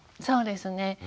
そうですね。